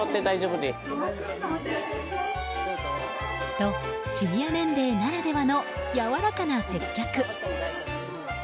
と、シニア年齢ならではのやわらかな接客。